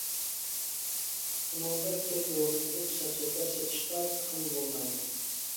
ئۇنىڭدا گەپ يورغىلىتىپ سەپسەتە سېتىشقا تېخىمۇ بولمايدۇ.